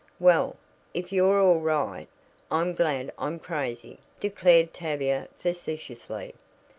"Well, if you're all right, I'm glad I'm crazy," declared Tavia facetiously.